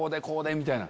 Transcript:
みたいな。